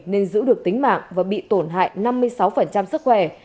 nên giữ được tính mạng và bị tổn hại năm mươi sáu sức khỏe